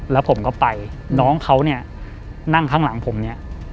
แล้วผมก็ไปน้องเขาเนี่ยนั่งข้างหลังผมเนี่ย